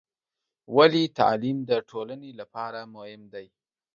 ولې تعلیم د ټولنې لپاره مهم دی؟